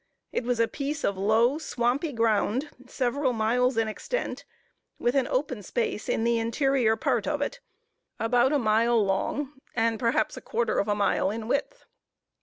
It was a piece of low, swampy ground, several miles in extent, with an open space in the interior part of it, about a mile long, and perhaps a quarter of a mile in width.